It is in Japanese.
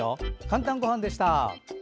「かんたんごはん」でした。